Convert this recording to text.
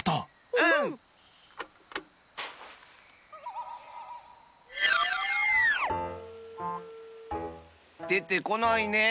うん！でてこないね。